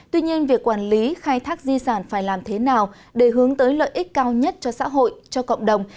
tuy nhiên việc quản lý khai thác di sản phải làm thế nào để hướng tới lợi ích cao nhất cho xã hội cho cộng đồng